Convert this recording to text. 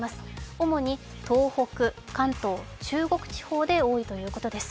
主に東北、関東、中国地方で多いということです。